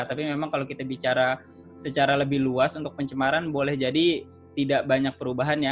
tapi memang kalau kita bicara secara lebih luas untuk pencemaran boleh jadi tidak banyak perubahan ya